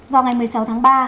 vào ngày một mươi sáu tháng ba